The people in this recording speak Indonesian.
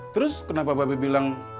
terus kenapa bapak b bilang